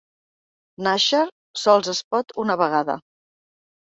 Nàixer sols es pot una vegada.